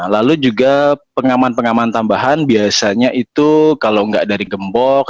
lalu juga pengaman pengaman tambahan biasanya itu kalau nggak dari gembok